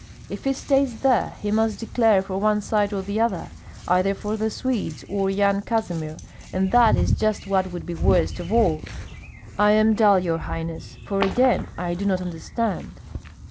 If he stays there, he must declare for one side or the other, either for the Swedes or Yan Kazimir, and that is just what would be worst of all." "I am dull, your highness, for again I do not understand."